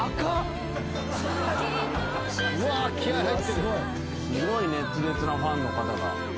すごい熱烈なファンの方だ。